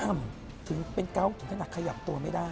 ถึงเป็นเกาะถึงขนาดขยับตัวไม่ได้